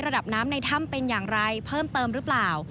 ระดับน้ำในถ้ำเป็นอย่างไรเพิ่มเติมหรือเปล่า